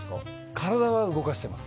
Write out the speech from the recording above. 体は動かしています。